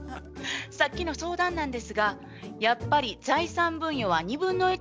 さっきの相談なんですがやっぱり財産分与は２分の１ずつなんですね。